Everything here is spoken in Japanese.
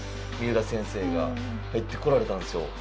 三浦先生が入ってこられたんですよ。